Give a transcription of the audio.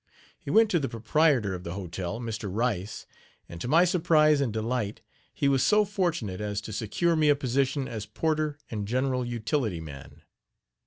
He went to the proprietor of the hotel, Mr. Rice; and, to my surprise and delight, he was so fortunate as to secure me a position as porter and general utility man.